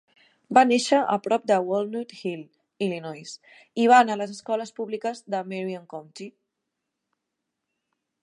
Va néixer a prop de Walnut Hill, Illinois, i va anar a les escoles públiques de Marion County.